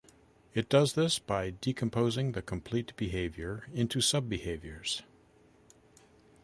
It does this by decomposing the complete behavior into sub-behaviors.